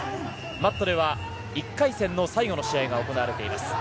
マットでは１回戦の最後の試合が行われています。